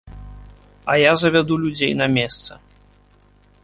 А я завяду людзей на месца.